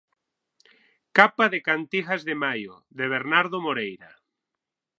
Capa de 'Cantigas de maio', de Bernardo Moreira.